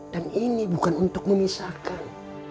dan ini bukan untuk memisahkan